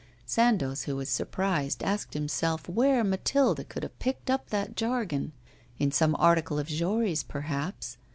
Sandoz, who was surprised, asked himself where Mathilde could have picked up that jargon. In some article of Jory's, perhaps.